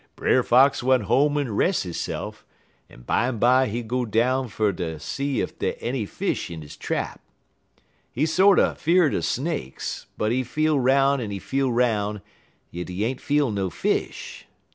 "Brer Fox went home en res' hisse'f, en bimeby he go down fer ter see ef dey any fish in he trap. He sorter fear'd er snakes, but he feel 'roun' en he feel 'roun', yit he ain't feel no fish.